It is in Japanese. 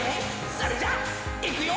それじゃいくよ」